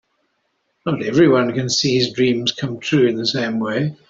Not everyone can see his dreams come true in the same way.